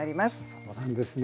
そうなんですね。